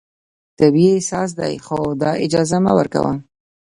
طبیعي احساس دی، خو دا اجازه مه ورکوه